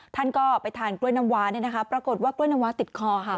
ท่านก็ไปทานกล้วยน้ำว้าปรากฏว่ากล้วยน้ำว้าติดคอค่ะ